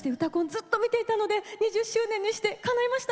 ずっと見ていたので２０周年にしてかないました。